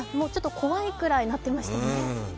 怖いくらいに鳴ってましたよね。